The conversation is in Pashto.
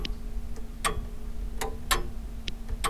رښتینی ملګری په عمل کې معلومیږي.